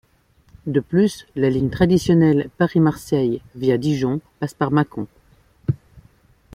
De plus, la ligne traditionnelle Paris - Marseille via Dijon passe à Mâcon.